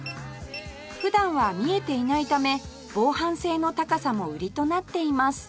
普段は見えていないため防犯性の高さも売りとなっています